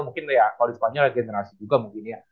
mungkin ya kalau di spanyol ada generasi juga mungkin ya